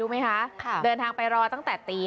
รู้ไหมคะค่ะเดินทางไปรอตั้งแต่ตี๕